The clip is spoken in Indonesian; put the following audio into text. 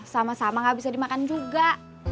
sama sama gak bisa dimakan juga